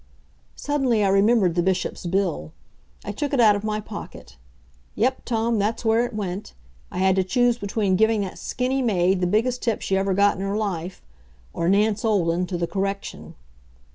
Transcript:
Suddenly I remembered the Bishop's bill. I took it out of my pocket. Yep, Tom, that's where it went. I had to choose between giving that skinny maid the biggest tip she ever got in her life or Nance Olden to the Correction.